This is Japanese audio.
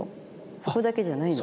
そこだけじゃないの。